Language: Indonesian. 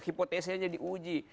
hipotesisnya di uji